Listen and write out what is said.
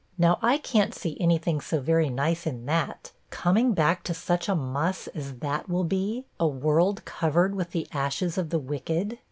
Now, I can't see any thing so very nice in that, coming back to such a muss as that will be, a world covered with the ashes of the wicked!